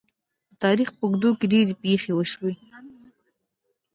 د تاریخ په اوږدو کې ډیرې پېښې وشوې.